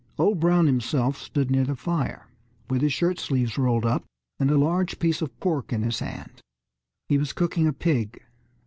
Old Brown himself stood near the fire, with his shirt sleeves rolled up, and a large piece of pork in his hand. He was cooking a pig.